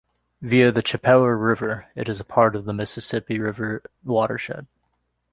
Via the Chippewa River, it is part of the Mississippi River watershed.